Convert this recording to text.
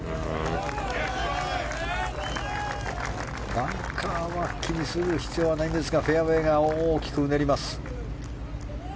バンカーは気にする必要はないんですがフェアウェーが大きくうねります。